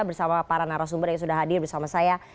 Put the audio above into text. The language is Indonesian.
bersama para narasumber yang sudah hadir bersama saya